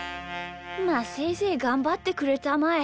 まあせいぜいがんばってくれたまえ。